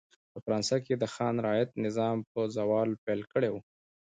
په فرانسه کې د خان رعیت نظام په زوال پیل کړی و.